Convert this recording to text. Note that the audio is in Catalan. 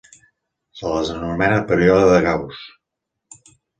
Se les anomena període de Gauss.